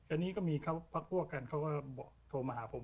อันนี้ก็มีพระครัวกันเขาก็โทรมาหาผม